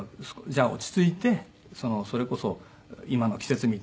じゃあ落ち着いてそれこそ今の季節みたいに。